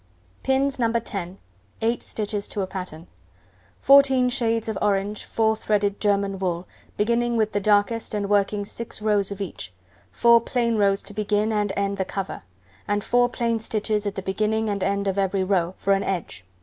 Pins No. 10, 8 stitches to a pattern: 14 shades of orange 4 threaded German wool, beginning with the darkest, and working 6 rows of each: 4 plain rows to begin and end the cover; and 4 plain stitches at the beginning and end of every row, for an edge.